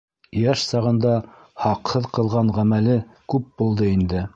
Йәш сағында һаҡһыҙ ҡылған ғәмәле күп булды инде.